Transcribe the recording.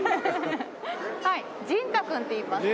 はいジンタ君っていいます。